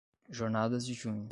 Jornadas de junho